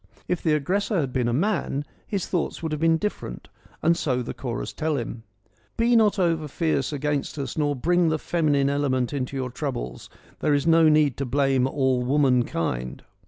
If the aggressor had been a man, his thoughts would have been different and so the chorus tell him. 1 Be not over fierce against us nor bring the feminine element into your troubles. There is no need to blame all womankind.'